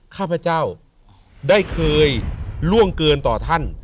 ข้าพเจ้าได้เคยล่วงเกินต่อท่าน